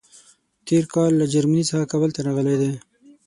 تېر کال له جرمني څخه کابل ته راغلی دی.